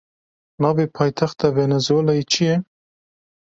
Navê paytexta Venezuelayê çi ye?